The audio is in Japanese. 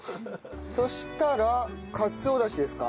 そしたらかつおダシですか？